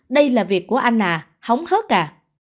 đây là việc của anh à hóng hớt à